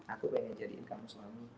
aku pengen jadiin kamu suami